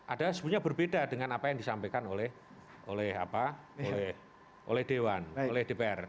ada sebetulnya berbeda dengan apa yang disampaikan oleh dewan oleh dpr